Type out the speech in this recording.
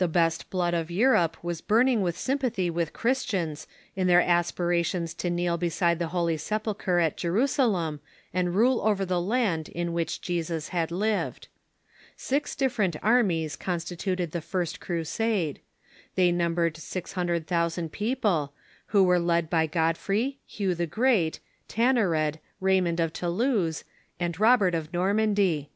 Tlie best blood of Eui'ope was burning with sympathy with Chris tians in their aspirations to kneel beside the Holy Sepulchre at Jerusalem and rule over the land in which Jesus had lived. Six different armies constituted the first Crusade. They numbered six hundred thousand people, who were led by God frey, Hugh the Great, Tancred, Raymond of Toulouse, and Robert of Normandy.